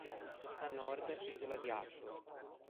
A nord l'isola di Arthur.